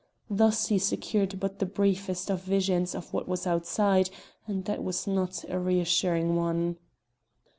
Thus he secured but the briefest of visions of what was outside, and that was not a reassuring one.